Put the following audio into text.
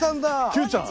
Ｑちゃん。